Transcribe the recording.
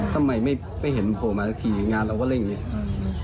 ทำไมไม่เห็นโทรมาขี่งานเราก็เล่นอย่างนี้